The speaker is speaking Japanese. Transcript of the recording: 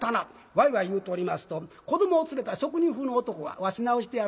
わいわい言うておりますと子どもを連れた職人風の男が「わし直してやる」。